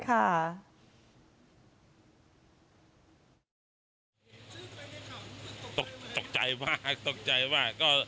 ข่าสู้ไปในเขามีคุณตกใจไหมตกใจมากตกใจมาก